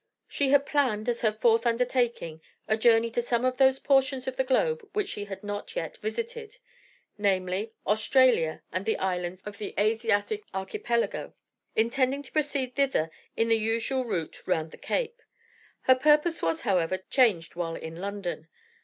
She had planned, as her fourth undertaking, a journey to some of those portions of the globe which she had not yet visited namely, Australia and the islands of the Asiatic Archipelago; intending to proceed thither by the usual route round the Cape. Her purpose was, however, changed while in London.